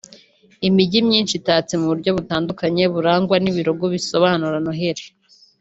Imijyi myinshi itatse mu buryo butandukanye burangwa n’ibirugo bisobanura noheli